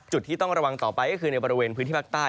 จุดที่ต้องระวังต่อไปก็คือในบริเวณพื้นที่ภาคใต้